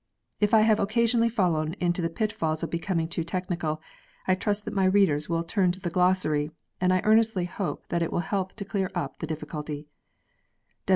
If I have occasionally fallen into the pitfall of becoming too technical, I trust that my readers will turn to the glossary, and I earnestly hope that it will help to clear up the difficulty.